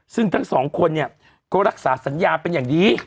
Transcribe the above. ซึ่งทั้งสองคนเนี่ยก็รักษาสัญญาเป็นอย่างดี